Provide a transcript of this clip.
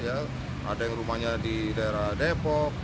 ada yang rumahnya di daerah depok